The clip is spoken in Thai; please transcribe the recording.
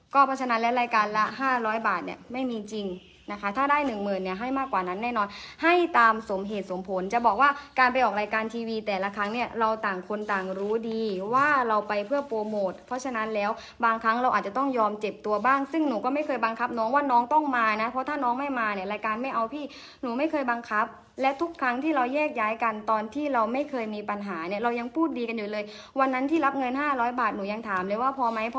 ก็เพราะฉะนั้นและรายการละ๕๐๐บาทเนี่ยไม่มีจริงนะคะถ้าได้๑๐๐๐เนี่ยให้มากกว่านั้นแน่นอนให้ตามสมเหตุสมผลจะบอกว่าการไปออกรายการทีวีแต่ละครั้งเนี่ยเราต่างคนต่างรู้ดีว่าเราไปเพื่อโปรโมทเพราะฉะนั้นแล้วบางครั้งเราอาจจะต้องยอมเจ็บตัวบ้างซึ่งหนูก็ไม่เคยบังคับน้องว่าน้องต้องมานะเพราะถ้าน้องไม่มาเนี่ยรายก